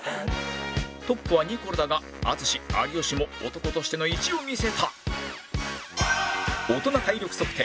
トップはニコルだが淳有吉も男としての意地を見せた